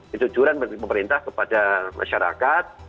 kecujuran pemerintah kepada masyarakat